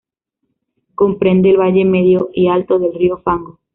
Comprende el valle medio y alto del río Fango.